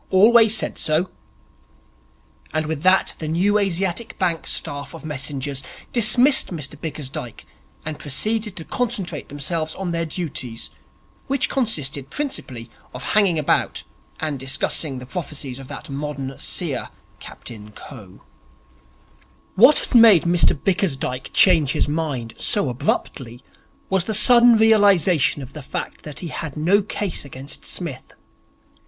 'Always said so.' And with that the New Asiatic Bank staff of messengers dismissed Mr Bickersdyke and proceeded to concentrate themselves on their duties, which consisted principally of hanging about and discussing the prophecies of that modern seer, Captain Coe. What had made Mr Bickersdyke change his mind so abruptly was the sudden realization of the fact that he had no case against Psmith.